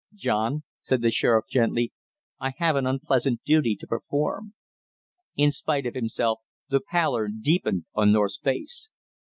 "John," said the sheriff gently, "I have an unpleasant duty to perform." In spite of himself the pallor deepened on North's face.